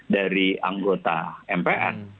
dari anggota mpr